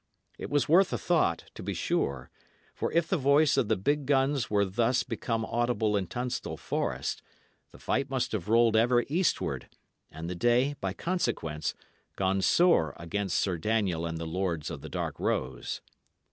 It was worth a thought, to be sure; for if the voice of the big guns were thus become audible in Tunstall Forest, the fight must have rolled ever eastward, and the day, by consequence, gone sore against Sir Daniel and the lords of the dark rose.